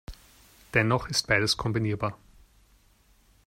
Dennoch ist beides kombinierbar.